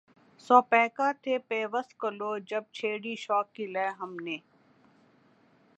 سو پیکاں تھے پیوست گلو جب چھیڑی شوق کی لے ہم نے